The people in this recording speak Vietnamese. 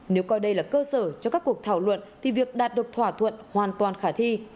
nếu coi đây là cơ sở cho các cuộc thảo luận thì việc đạt được thỏa thuận hoàn toàn khả thi